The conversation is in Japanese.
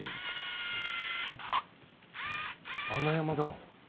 穴山殿。